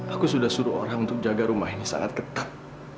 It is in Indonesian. aku sudah suruh orang untuk jaga rumah ini sangat ketat